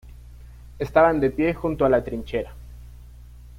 Estaban de pie junto a la trinchera.